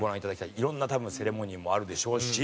いろんな多分セレモニーもあるでしょうし。